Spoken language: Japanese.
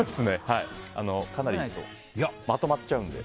かなりまとまっちゃうので。